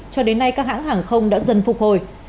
cho đến nay các hãng hàng không đã dần phục hồi